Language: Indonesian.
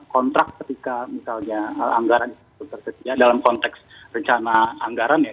kontrak ketika misalnya anggaran dalam konteks rencana anggaran ya